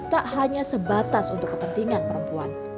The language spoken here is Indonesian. tak hanya sebatas untuk kepentingan perempuan